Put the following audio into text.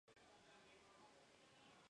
Su nombre fue puesto en honor a Lautaro.